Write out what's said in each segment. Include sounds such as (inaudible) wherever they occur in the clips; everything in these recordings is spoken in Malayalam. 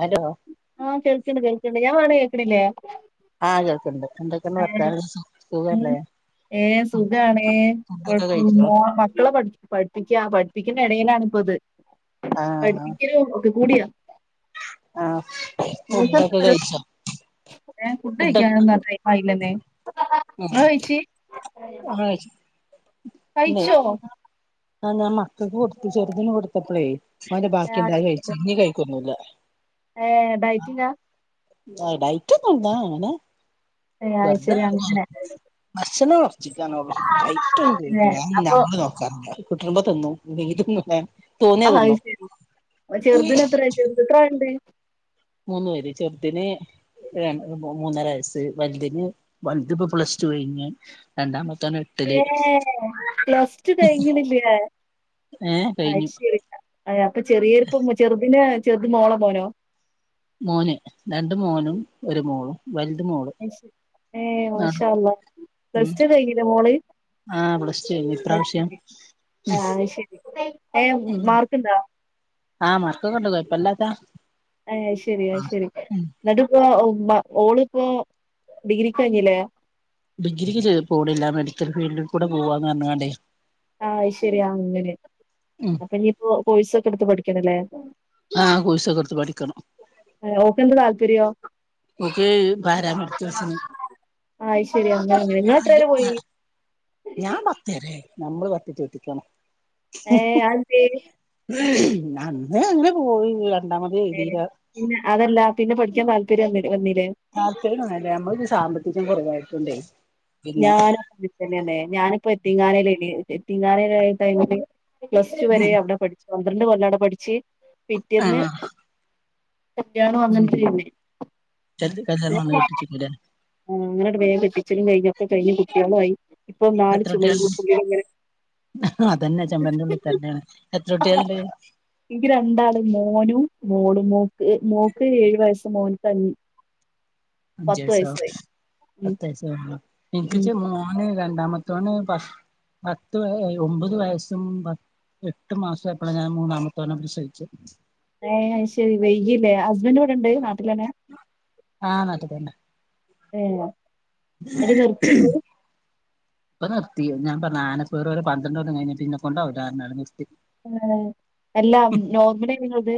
ഹലോ ആഹ് കേൾക്ക്ണ്ട് കേ ക്ക് ണ്ട് ഞാൻ പറയുന്നത് കേൾക്കണില്ലേ ആഹ് കേൾക്ക്ണ്ട് എന്തൊക്കെണ്ട് ഏഹ് വർത്താനം ഉം സുഖല്ലേ ഏഹ് സുഖാണ് ഫുഡൊക്കെ (unintelligible) കഴിച്ചോ മക്കളെ പടി പഠിപ്പി പ്പിക്കാ പഠിപ്പിക്കുന്ന ഇടയിലാണ് ഇപ്പൊ ഇത് ആഹ് പഠിപ്പിക്കലും കൂടിയ ആഹ് ഇങ്ങൾക്കെന്താ ഫുഡൊക്കെ പരിപാടി കഴിച്ചോ ഏഹ് ഫുഡ് കഴിക്കാനൊന്നും ആയി അയിലെന്നെ ഇങ്ങൾ കഴിച്ച് ഞങൾകഴിച്ചു കഴിച്ചോ ആഹ് ഞാ മക്കക്ക് കൊട്ത്ത് ചെറ്തിന് കൊടുത്തപ്പളേ ഓന്റെ ഏഹ് ബാക്കി ആ, ണ്ട് അത് ശരി, കഴിച്ച് ശരി. ഇഞ്ഞി കഴിക്കൊന്നൂല്ല ഏഹ് ഡയറ്റിങ്ങാ? ആഹ് ആ ഡയറ്റ് ഒന്നും അല്ല അങ്ങനെ ഏഹ് അത് വെർതെ ശരി കൊർ അങ്ങനെ. ബശ്ശണം ച്ച് ക്കാന്നൊള്ളൂ (unintelligible) ഇണ്ട് ഏഹ് ആഒന്നും അപ്പൊ ഞമ്മള് നോക്കാറില്ല്യ. കുട്ടുറ്മ്പൊ തിന്നും ഇല്ല്യങ്കി തിന്നൂലാ ആഹ് ശരി ങ്ങളെ ചെറ്തിന് എത്ര ആയി (unintelligible) എത്രാൾണ്ട് മൂന്ന് പേര് ചെറ്തിന് രൺ മു മൂന്നര വയസ്സ് വല്തിന് വലുത് ഇപ്പ പ്ലസ് ടു കഴിഞ്ഞ് രണ്ടാമ ഏ പ്ലസ് ടു കഴിഞ്ഞിണില്ല്യേ ഏ അയ് കഴിഞ്ഞു ശരി അയ ഇപ്പ ചെറിയേര്പ്പം മു ചെറ്തിനേ ചെറ്ത് മോളോ മോനോ മോന് രണ്ട് മോനും ഒരു മോളും വലുത് മോള് അയ് ശരി ഏ ആ മാശാ അള്ളാഹ് ഉം പ്ലസ് ടു കഴിഞ്ഞ് ലേ മോള് ആ പ്ലസ് ടു കഴിഞ്ഞു അഹ് ഇപ്രാവശ്യം ശരി ആഹ് അഹ് ശരി ഏ മാർക്ക് ഇണ്ടോ? പ്പല്ലത എ അശരി അശരി ന്നട്ട്പ്പ വ ഓള് ഇപ്പോ ഡിഗ്രി കഴിഞ്ഞില്ലേ ഡിഗ്രിക്ക് ചേ പോണില്ല മെഡിക്കൽ ഫീൽഡിൽ കൂടെ പോവാന്ന് പറഞ്ഞണ്ടേ ആഹ് അശരി അങ്ങനെ ഉം അപ്പൊ ഞ്പ്പോ കോയ്സൊക്കെ എടുത്ത് പഠി ക്കണല്ലേ ആ കോഴ്സൊക്കെ എടുത്ത് പഠിക്കണം അഹ് ഓക്ക എന്ത താല്പര്യോ ഓക്ക് പരാമെടിക്കൽസിന് ആ അത് ശരി അങ്ങനെ അങ്ങനെ നിങ്ങള് എത്ര വരെ പോയി ഞാൻ പത്തെരെ നമ്മള് പട്ടിട്ട് എത്തിക്കണം ഏ അതെന്തെ അന്ന് അങ്ങനെ പോയി രണ്ടാമത് എഴുതിയില്ല പിന്നെ അതല്ലാ പിന്നെ പഠിക്കാ താ താൽപര്യ അല്ല നമ്മ ഒരു സാമ്പത്തികം കുറവായിര്ന്നു തോണ്ടേ ഞാനപ്പോന്നന്നെ ഞാനിപ്പോ എത്തിങ്ങാനല്ലേ എറ്റീങ്ങാനെര (unintelligible) കഴിഞ്ഞ് പ്ലസ്ടു വരെ ഔടെ പഠ്ച്ചു പന്ത്രണ്ട് കൊല്ലാടം പഠിച്ച് പിറ്റെന്ന് ആഹ് കുട്ട്യാള് ഉം ഉറങ്ങിട്ടില്ലെനി (unintelligible) കല്യാണം വന്ന് കെട്ടിച്ചിക്കൂലേ ശരിയ ചെ രണ്ട് കുട്ടിയളും ആയി ഇപ്പൊ നാല് എത്ര കുട്ടികളുണ്ട് ചമരുകൾക്കുള്ളിലിങ്ങനെ (inaudible) അതന്നെ ചെമ്പരന്റെ ഉള്ളിൽ തന്നെയാണ് എത്ര കുട്ടികളുണ്ട് ഇന്ക് രണ്ടാള് മോനും മോള്, മോൾക്ക് ഏഴു വയസ്സ് മോൻക്ക് അഞ്ചു ഞ്ചയ്സോ, പത്തയ്സോ ഉം ഇൻക്കിച്ച് മോന് രണ്ടാമത്തോന് പ പത്ത് വ ഒമ്പത് വയസ്സും പ എട്ട് മാസയപ്പളാ ഞാൻ മൂന്നാമത്തോന പ്രസവിച്ചേ ആഹ്, അയ് ശെരി വൈകില്ലേ- ഹസ്ബൻഡ് ഇവിടെണ്ട് നാട്ടിലന്നെ ആ നാട്ട്തന്നെ. ഏഹ് (inaudible) എടെ നിർത്തിപ്പോ ഇപ്പം നിർത്തി ഞാൻ പറഞ്ഞു ആനപേറ് വരെ പന്ത്രണ്ടൊല്ലം കഴിഞ്ഞിട്ട് ഇന്നെ കൊണ്ടാവൂല പറഞ്ഞു നിർ ഏഹ്, എല്ലാ നോൻമ്പിനെനി ഇങ്ങള്ത്.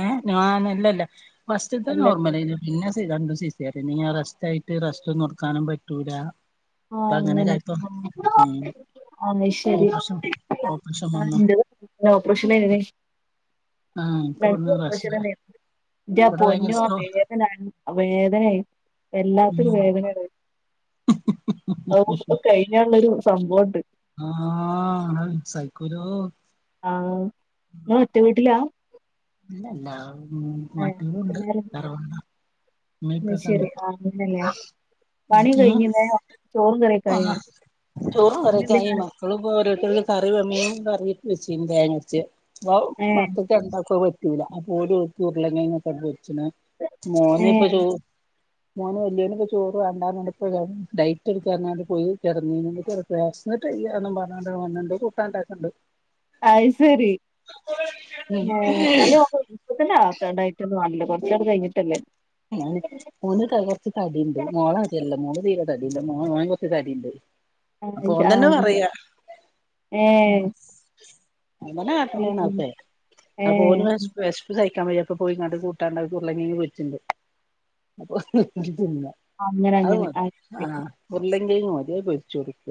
ഏഹ്, നോ അല്ലല്ല. ഫസ്റ്റ്ത്തെ അല്ലല്ലേ നോമ്പിനെനു പിന്നെ സി രണ്ടും സി ചെറിയതിന് ഞാൻ റസ്റ്റ് ആയിട്ട് റസ്റ്റ് ഒന്നും എടുക്കാനും പറ്റൂല ഇപ്പ ആഹ് അങ്ങനെ, അങ്ങനെക്കായപ്പോ ഉം ആ അത് ശരി ഓപ്പറേഷൻ ഓപ്പറേഷൻ വന്നു ഇന്റെതും ഓപ്പറേഷനെനി ആഹ് ഇന്ക്ക് ഒന്ന് (unintelligible) ഇന്റെ പൊന്നോ വേദനാ ആഹ് വേദനയ് വല്ലാത്തൊരു ഉം വേദനെണ് ഒപറേഷൻ കഴിഞ്ഞാള്ളൊരു സംഭവുണ്ട് ആാാ അത് സൈകൂലാ ആഹ് ങ്ങള് ഒറ്റ വീട്ടിലാ. അല്ലല്ല. ഹ്മ്മ്, ഏഹ് മറ്റോലുണ്ട് എല്ലാരും കൂടെ. തറവാടാ ഇമ്മീം അത് ഇപ്പക്കെണ്ട്. ശെരി ആഹ് അങ്ങനല്ലേ പണി ഉം കഴിഞ്ഞിലേ ചോറും കറിയൊക്കായോ ആഹ് ചോറും ഇന്നെന്തേ കറിയൊക്കെയായി കറി മക്കളും ഓരോര് (unintelligible) മീൻ കറി വെച്ചിനി തേങ്ങാ അരച്ച്. അവ് ഏഹ് മക്കക്ക് രണ്ടാൾക്കും അത് പ റ്റൂല അപ്പൊ ഓല് ഓൽക്ക്‌ ഉരുള കിഴങ്ങട്ട് പൊരിച്ച് ച്ച്ണ് മോന് ഇപ്പൊ ഏഹ് ചോറ് മോന് വല്യാന് ഇപ്പൊ ചോറ് വേണ്ടാന്ന് ഇപ്പോ ഡൈറ്റടുക്കാണ് പറഞ്ഞു പോയി കെടന്നിന്. വെശന്നിട്ടു വയ്യാ പറഞ്ഞാണ്ട് ഓനുണ്ട് കൂട്ടാൻണ്ടാക്ക്ണ്ട്. അത് ശരി ഉം ഏ അയിനു ഇപ്പ തന്നെ ആക്കണ്ട അയ്റ്റൊന്നും അല്ല കൊറച്ചാണ്ട് കഴിഞ്ഞിട്ടല്ലേ മോന് മോന് കൊറച്ച് തടിണ്ട് മോള മാതിരിയല്ല മോള് തീരെ തടില്ല മോന് കൊർച്ച് തടിണ്ട്. ആ അപ്പൊ ഇൻക്ക് ഓൻ ആ തന്നെ പറയാ ഏ അങ്ങനെ കാട്ടണേണ അതൊക്കെ അ ഇപ്പൊ ഓന് ഏഹ് വെശപ്പ് വെശപ്പ് സഹി ക്കാൻ വയ്യ അപ്പൊ പോയിക്കാണ്ട് കൂട്ടാണ്ടാക്കും ഉരുളകിഴങ് പൊരിച്ചിണ്ട്. (unintelligible) അങ്ങനെ (unintelligible) അത് അങ്ങനെ മതി ആ ശെരി ഉരുള കിഴങ്ങ് മതി അത് പൊരിച്ചു കൊടുക്ക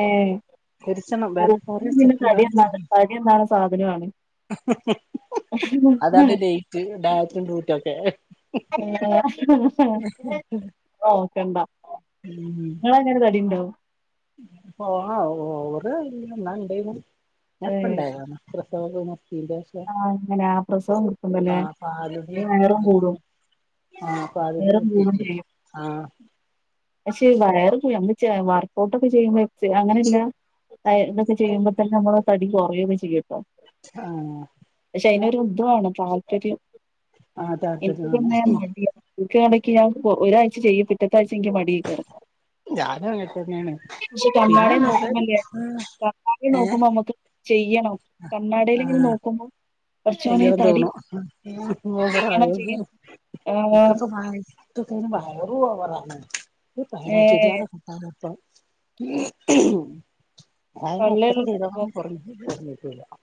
ഏ (unintelligible) കറി വെച്ചോ പിന്നെ തടി കറി വെച്ചോ തടി നന്നാക്ണ സാധനും ആണ് അതാണ് ഡേറ്റ് ഡയറ്റും (unintelligible) ഏ ഓ കണ്ടാ ഇങ്ങളെങ്ങനെ തടിണ്ടോ ഓ ഓവർ ന്നാ ഇണ്ടേനും ഏഹ് ഞാപ്പണ്ടായതാണ് പ്ര സവം കയിഞ്ഞപ്പോ ആഹ് അങ്ങനെ പ്രസവം നിർത്തുമ്പം ലേ ആഹ് പാലുടി അത് വയറും കൂടും ആഹ് പാലുടി വയറും കൂടും നിർത്തീട്ടെ ചെയ്യും ആഹ് പക്ഷെ വയറ് (unintelligible) (unintelligible) വർക്കൗട്ട് ഒക്കെ ചെയ്യുമ്പ ചെ അങ്ങനെല്ല അ എ തൊക്കെ ചെയ്യുമ്പോ തന്നെ നമ്മള് തടി കുറയൊക്കെ ചെയ്യുട്ടോ ആഹ് അയ്നൊരു ത് വാണം താല്പര്യം ആഹ് എനിക്ക് താല്പര്യമാണ് പിന്നെ മടി ആണ് ഇക്ക് ഞാൻ ഇടക്ക് ചെയ്യും ഒരാഴ്ച ചെയ്യും പിറ്റത്ത ആഴ് ഇൻക് മടിയേക്കാരം ഞാനും അങ്ങനെ തന്നെയാണ് പക്ഷെ കണ്ണാ പിന്നെ ടെ ആഹ് നോക്കുമ്പോല്ലേ കണ്ണാടീ ഏഹ് നോക്കുമ്പോ നമ്മുക്ക് ചെയ്യണം കണ്ണാടേൽ ഇങ്ങനെ നോ (unintelligible) ചെയ്യാൻ തോണു വയറ് ചെയ്യണം ചെയ്യണം ആഹ് ഇനിക്കൊക്കൊക്കെ വയറും ഓവറാണ് (unintelligible) വയറാ ഏഹ് ചുരിദാറൊക്കെ ഇട്ടാ ചെലപ്പം വയറ് എത്ര പള്ളേള്ളൂ ചെയ്താലും കുറ (unintelligible) ഇല്ല ഹാ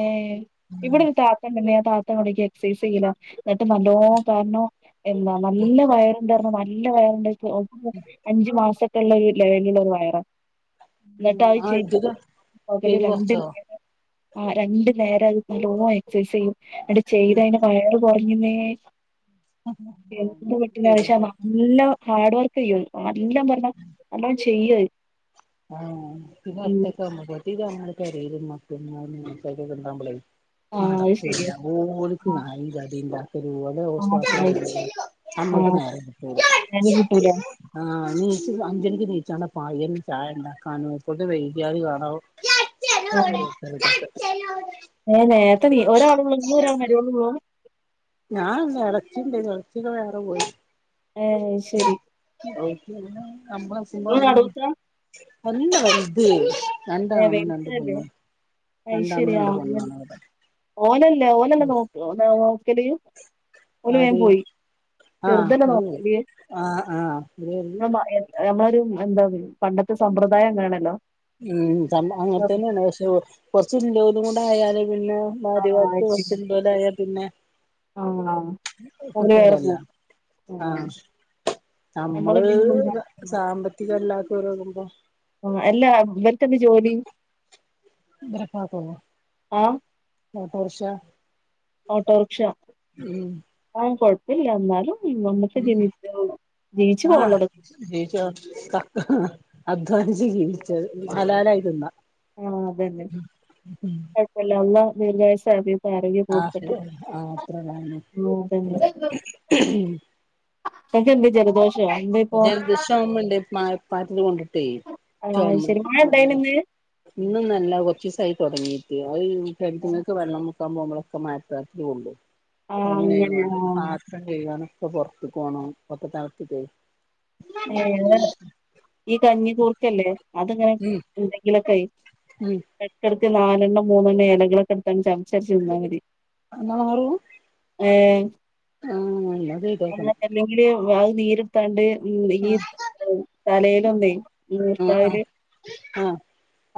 ഏ ഇവടൊരു താത്തണ്ടന്നേ ഞാൻ പറ അങ്ങോട്ടേക്ക് എക്സൈസ് ചെയ്ലാ ന്നട്ട് നല്ലോ കാരണോ എന്താ നല്ല വയറ് ഉണ്ടർന്നു നല്ല വയറ്ണ്ടാർന്നു (unintelligible) അഞ്ചു മാസ അല്ലേകി ലെങ്കിലും ഒരു വയറ ഉ ആ ഇത്ക്ക പകല് എരു രണ്ട് കൊറച്ചതോ നേരം ആ രണ്ടു നേര അത് നല്ലൊ എക്‌സൈസ്സ്സെയും എടി ചെയ്ത അന് വയറകൊറ അങ്ങനെ എന്ത് പട്ടില്ലവിഷ്യ ചെയ്തേക്കണം വല്ല ഹാർഡ് വർക്ക് ചെയ്യും ഒരു പാട് എല്ലാം പറഞ്ഞ അന്നേരം ചെയ്യു ചെയ്യായി ആ പിന്നെ എത്തക്കമ പത്തിധാ അ കരയിലും മന്തങ്ങാ സൈഡിലൊക്കെ ഉണ്ടാവുമ്പളെ ആഹ് അത് ശരിയാ നടത്തുല്ലാ ഓൾക്ക് ആ നായിന്റെ അടില ആഹ് ചായ (unintelligible) നമ്മക്ക് ആഹ് നേരം കിട്ടൂല നേരം കിട്ടൂല ആ നീച്ച അഞ്ചണിക്ക് നീച്ചാണ് പായൻ ചായ ഉണ്ടാക്കാനോ ഇപ്പോന്ന് വൈകാല് കാണാവോ ഉം (unintelligible) ല ഒത് നീ ഒരാഉള്ള ഒരാൾവരുവോ വോ ഞാൻനുണ്ട് ഇളച്ചിണ്ട് ഇളച്ചിക്കെ വേറെ പോയി ഓഹോ ശരി ഓൽക്ക് പിന്നെ ഇങ്ങള് നമ്മൾസ്വന്തലിയാനും നടൂത്താ നല്ല വല്ത് രണ്ട് ഏഹ് കാണ രണ്ട് വലുതല്ലേ പൊന്നെ രണ്ട് അങ്ങണ്ട് പോണ്വ ഓന അല്ലഓല്ല നോ (unintelligible) കനയോ അത് ആഹ ചെറുതല്ലേ ഒരു നോക്കണ്ട്യെ ആ ആഹ് ഒരു വള്ളി ഇങ്ങളെ മ എ നമ്മളൊരു എന്താ പണ്ടത്തെ സമ്പ്രദായം എങ്ങാണല്ലോ ഉം ത അങ്ങനത്തെ തന്നെയാണ് പക്ഷെ കുറച്ച് ഇല്ല്യോല് ണ്ടായാല് പിന്നെ ആഹ് മാര്യവാ അത് ശരി (unintelligible) ആയാൽ പിന്നെ പിന്നെ ആഹ് ഓല് വേറെ കുപ്പലല്ല പോവും ആ ആഹ് നമ്മള് പിന്നെ മിണ്ടാ സാമ്പത്തികല്ലാത്ത പോയാലെന്താ ആഹ് അല്ലാ ഇവർക്ക് എന്താ ജോലി ആഹ് (unintelligible) ഓട്ടോറിക്ഷ ഓട്ടോറിക്ഷ ഉം അതൊന്നും കുഴപ്പ പ്പല്ല എന്നാലും ഉം നമുക്ക് ജീവിച്ച് ജീവിച്ച് പോവാനുള്ളത് ക അധ്വാനിച്ച് ജീവിച്ചത് ഹലാലായി തിന്നാം ആഹ് അത് തന്നെ കുഴപ്പല്ല അള്ളാ ദീർഘായുസ്സും ആഫിയ ആഹ് ആഹ് അത്ര തന്നെ ഉം നിങ്ങൾക്ക് എന്താ ജലദോഷ ജലദോഷം ഉണ്ട് മഴപ്പാറ്റല് കൊണ്ടി ട്ടേ ആഹ് ചുമ ശരി മഴ ഇണ്ടായിനോ ഇന്ന് ഇന്നും അല്ല കുറച്ച് ദിവസായി തുടങ്ങിട്ട് ആയി കെൻട്ട്ങ്ങക്ക് വെള്ളം സംഭവങ്ങളൊക്കെ മഴത്താക്കി ഓടും ആഹ് അങ്ങനെ അങ്ങനെയായോണ്ട് ആഹ് പാത്രം കഴുകാന് ഇപ്പൊ പുറത്ത് പോണം മൊത്തം തളർത്തിട്ടേ ഏ ഈ കഞ്ഞി കൂർക്കല്ലേ അതിങ്ങനെ ഉം എന്തെങ്കിലുമൊക്കെ ആയി ഉം വെക്കണം നാലെണ്ണം മൂന്നെണ്ണം എലകളൊക്കെ എടുത്ത് അങ്ങ് ച്ചാ എന്നാ മാറു ഏഹ് ആഹ് ഇന്നല്ല ചെയ്തോക്കണം ഞാൻ അത് നീര്ട്ത്താണ്ട് ഉം ഈ തലയില് ഒന്ന് ആഹ് മൂർത്താഹ് ആഹ് ല് ആഹ്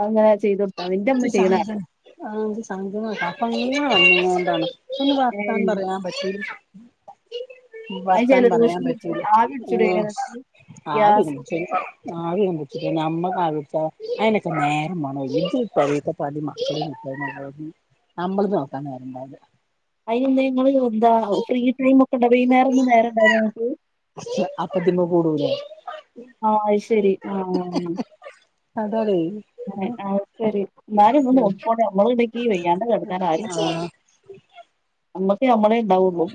അങ്ങനെ ചെയ്തു ഇച്ച് സങ്കടാ ആഹ് സങ്കടാണ് കഫം അങ്ങനെ വന്ന് ആണ് ഇന്ന് വർത്താനം ഏഹ് പറയാൻ പറ്റുലെ (inaudible) അത് വർത്താനം പറയാൻ ജലദോഷം പിടിച്ചിട്ട് പറ്റൂല്ല ആവി പിടിച്ചൂടെ ഊം അയിന് ഇങ്ങക്ക് ആവി ഗ്യാസ് അങ്ങ് പിട്ച്ച്ആവി അങ്ങ് പിട്ച്ചു നമ്മക്ക ആവി പിടിച്ച അയ്നെക്കെ നേരം വേണോലേ ഇത് പെരേത്തെ പണിം മക്കള് (unintelligible) അമ്മള്ത് നോക്കാൻ നേരണ്ടാവുല്ല. അയ്നെന്തേ ഇങ്ങള് നോ എന്താണാവോ ഫ്രീ ടൈം ഒക്കെ ഇണ്ടാവൊ ഈ ന്നേരം ഒന്നും നേരോണ്ടാവൊ (unintelligible) ക്ക് അപ്പ ഇതിമ്മെ കൂടൂലേ ആഹ് അയ് ശരി ആഹ് അതാലേ അങ്ങനെ ആ ശരി എന്നാലും ഒന്ന് നോക്കിക്കോളേ നമ്മള് (unintelligible) വയ്യാണ്ട് കെടന്നാല് ആരും ഉണ്ടാവില്ല. ആഹ് ഞമ്മക്ക് ഞമ്മളന്നെ ഇണ്ടാവോളൂ.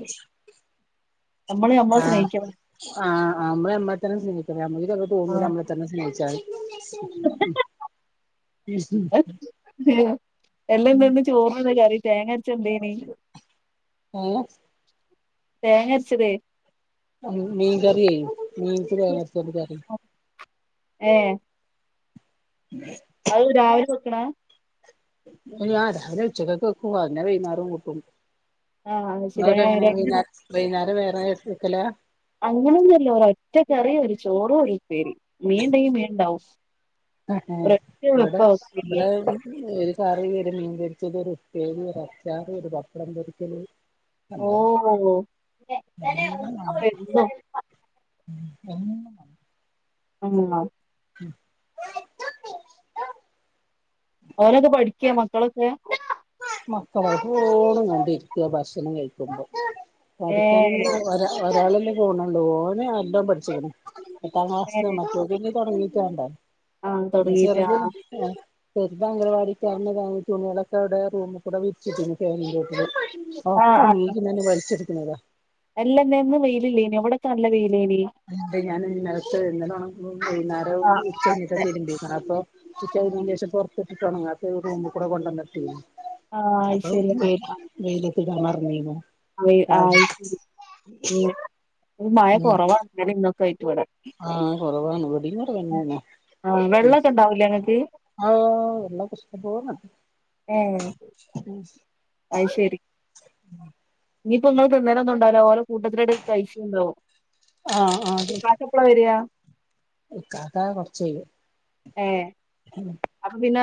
ആ ആ അമ്മള് ഞമ്മളെ തന്നെ സ്നേഹിക്കണം. (unintelligible) തോന്നൂല്ല ആഹ് അമ്മളെ തന്നെ സ്നേഹിച്ചാല്. എൽ ന്തേയോ എല്ലന്തേന്ന് ചോറിന് എന്താ കറി? തേങ്ങരച്ചെന്തേനി? ങാ തേങ്ങരച്ചതെ ഉം മീൻ കറിയേ ബീൻസ് തേങ്ങരച്ചൊരു കറി. ഏഹ് അത് രാവിലെ വെക്കണ ങാ രാവിലെ ഉച്ചക്കൊക്ക വെക്കും. അതെന്ന വൈകുന്നേരോം കൂട്ടും നിങ്ങളൊക്കെ എങ്ങനെ വൈന്നാ (unintelligible) വൈന്നേരം വേറെ വെക്കലാ അങ്ങനൊന്നും അല്ല ഒരൊറ്റക്കറി ഒരു ചോറും ഒരു ഉപ്പേരി മീൻ ഇണ്ടെങ്കി മീൻ ഇണ്ടാവും ആഹ് ആഹ് ഇവിടെ ഇവിടെ ഒരുകറി ഒരുമീൻ പൊരിച്ചല് ഒരു ഉപ്പേരി ഒരുഅച്ചാറ് ഒരു പപ്പടം പൊരിക്കല് ഓ അല്ലാ (inaudible) (inaudible) (unintelligible) ഓനൊക്കെ പഠി ക്ക മക്കളൊക്കെ മക്കള് പോണ് ഇവടിരിക്കാ ഭക്ഷണം കഴിക്കുമ്പോ ഏ പഠിക്കാൻ (unintelligible) ഒരാ ഒരാള് പോണുള്ളൂ ഓന് എല്ലാം പഠിച്ചേക്കണ്. എട്ടാം ക്ലാസ്. ഏ മറ്റോവക്ക് പിന്നെ തൊടങ്ങി ക്യാൻടെ ആ (unintelligible) തുടങ്ങീട്ട് ആ ചെറുതിന് ഏ ചെറുത് അഗനവാടിക് അവിടുന്ന് തുണികൾ ഒക്കെ അവിടെ റൂമികൂടേ വിരിച്ചിട്ടിന് ഫാനിന്റെ ചോട്ടിൽ ആ ഒക്ക ആ ഓണങ്ങിട്ടിങ്ങനെ വലിച്ചിട് (unintelligible) അല്ലന്ന് ന്നു വെയിലില്ലേ ഇനി ഇവിട നല്ല വെയി അ ഞാൻ ഇന്നലെത്തെ ഇന്നലെ ഒണക് ഇ ആ വൈകുന്നേരംകഴിഞ്ഞിട്ടാ തിരുമ്പിയേ അപ്പൊ ഉച്ച കഴിഞ്ഞെന് ശേഷം പുറത്തിട്ടിട്ട് ഒണങ്ങാത്ത ഒരു റൂമി കൂടെ കൊണ്ടന്നിട്ടെ ആഹ ശരിയ ആ തരാൻ മറന്നേയിനു (inaudible) ആയി ശരി മ്മ് മഴ കുറവാ ഇന്നലി ഇന്നും ആഹ കൊറവാണ് ഇവടിം കുറവേനാണ് ആ വെള്ളൊക്കെ ഉണ്ടാവൂലേ ഇങ്ങക്ക് ആ വെള്ളോക്കെ ഇഷ്ടം പോലെണ്ട് ഏ ഉം ഇനി ഇപ്പഇങ്ങള് തിന്നലൊന്നും ഇണ്ടാവൂല ഓലെ കൂട്ടത്തിലടെ കഴിച്ചുണ്ടോ ആഹ് ആഹ് ഇക്കാക്കെപ്ല വരിയാ ഇക്കാക്ക കൊറച്ചയ്യും പിന്നെആ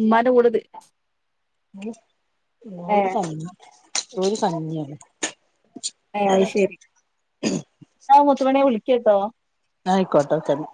ഉമ്മാന്റെ കൂടേത് ഉം ഒരു തണ (unintelligible) ഒരു സമിയാണ് ഏ അയ് ശരി ന്നാ മുത്തുമണി വിളിക് കേട്ടോ ന്നാ ആയിക്കോട്ടോ സരി